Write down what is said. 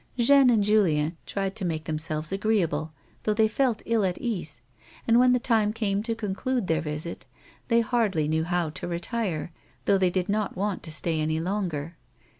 Jeanne and Julien tried to make themselves agi eeable, though they felt ill at ease, and when the time came to conclude their visit they hardly knew how to retire, though they did not want to stay any longer.